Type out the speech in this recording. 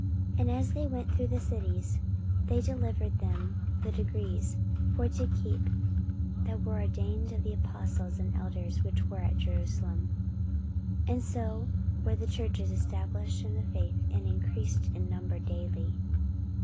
44:016:004 And as they went through the cities, they delivered them the decrees for to keep, that were ordained of the apostles and elders which were at Jerusalem. 44:016:005 And so were the churches established in the faith, and increased in number daily.